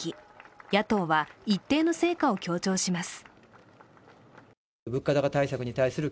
野党は一定の成果を強調します。